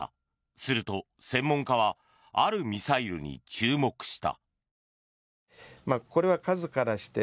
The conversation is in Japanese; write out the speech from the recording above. すると、専門家はあるミサイルに注目した。